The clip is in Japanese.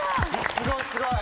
すごいすごい！